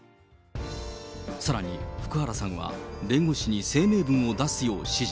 さらに、福原さんは弁護士に声明文を出すよう指示。